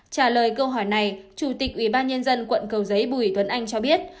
trả lời câu hỏi này chủ tịch ủy ban nhân dân quận cầu giấy bùi tuấn anh cho biết